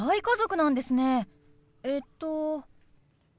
えっと？